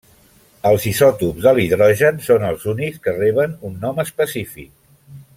Els isòtops de l'hidrogen són els únics que reben un nom específic.